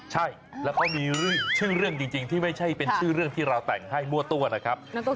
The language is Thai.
ใช่แล้วเขามีชื่อเรื่องจริงที่ไม่ใช่เป็นชื่อเรื่องที่เราแต่งให้มั่วตัวนะครับ